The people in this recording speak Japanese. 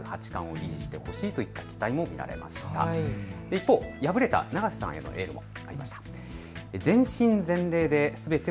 一方、敗れた永瀬さんへのエールもありました。